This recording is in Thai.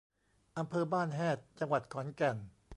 อำเภอบ้านแฮด จังหวัดขอนแก่น